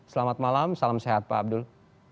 selamat malam salam sehat pak abdul